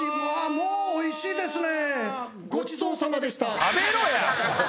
もうおいしいですね。